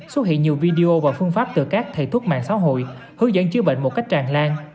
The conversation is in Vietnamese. xuất hiện nhiều video và phương pháp từ các thầy thuốc mạng xã hội hướng dẫn chữa bệnh một cách tràn lan